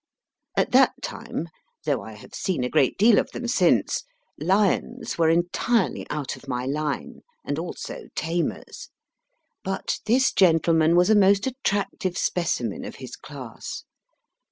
At that time (though I have seen a great deal of them since) lions were entirely out of my line, and also tamers ; but this gentleman was a most attractive specimen of his class.